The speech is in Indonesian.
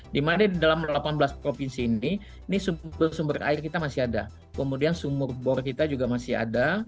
dimana di dalam delapan belas provinsi ini ini sumber sumber air kita masih ada kemudian sumur bor kita juga masih ada